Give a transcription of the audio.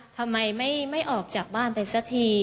ทำไมไม่ออกจากบ้านไปสักที